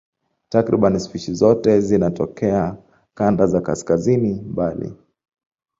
Takriban spishi zote zinatokea kanda za kaskazini mbali.